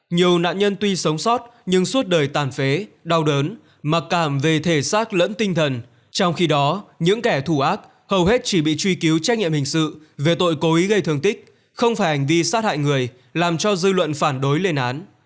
nhiều nạn nhân tuy sống sót nhưng suốt đời tàn phế đau đớn mặc cảm về thể xác lẫn tinh thần trong khi đó những kẻ thù ác hầu hết chỉ bị truy cứu trách nhiệm hình sự về tội cố ý gây thương tích không phải hành vi sát hại người làm cho dư luận phản đối lên án